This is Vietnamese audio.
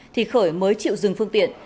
thì khởi mới chịu dừng phương tiện